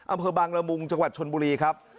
อำเภอบางละมุงจังหวัดชนบุรีครับ